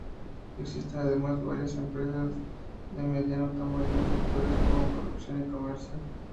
Existen además, varias empresas de mediano tamaño en sectores como producción y comercio.